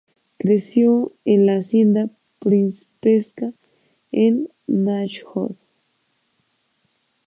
Creció en la hacienda principesca en Náchod.